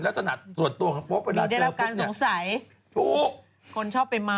ลักษณะส่วนตัวของโป๊ป